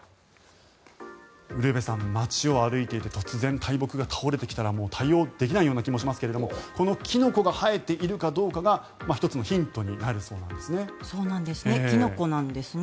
ウルヴェさん、街を歩いていて突然、大木が倒れてきたら対応できないような気もしますけれどもこのキノコが生えているかどうかが１つのヒントになるそうなんですね。